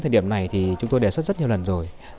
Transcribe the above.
thời điểm này thì chúng tôi đề xuất rất nhiều lần rồi